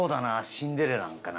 シンデレ卵かな。